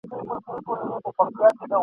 دریم لوری یې د ژوند نه دی لیدلی ..